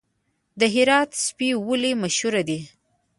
د هرات سپي ولې مشهور دي؟